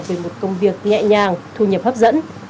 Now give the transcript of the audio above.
về một công việc nhẹ nhàng thu nhập hấp dẫn